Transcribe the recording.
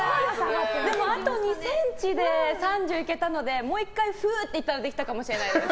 でも、あと２ｃｍで３０いけたのでもう１回ふーってやったらできたかもしれないです。